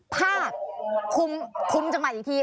ภาพคุมจังหวัดอีกที